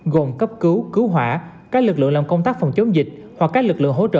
gồm cấp cứu cứu hỏa các lực lượng làm công tác phòng chống dịch hoặc các lực lượng hỗ trợ